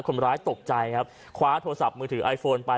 คนร้ายตกใจครับคว้าโทรศัพท์มือถือไอโฟนไป